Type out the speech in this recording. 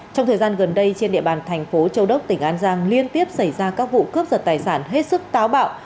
trong thời gian gần đây trên địa bàn thành phố châu đốc tỉnh an giang liên tiếp xảy ra các vụ cướp giật tài sản hết sức táo bạo